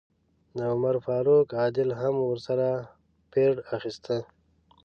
د عمر فاروق عادل هم ورسره پیرډ اخیسته.